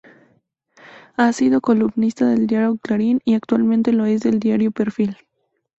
Ha sido columnista del diario Clarín y actualmente lo es del diario Perfil.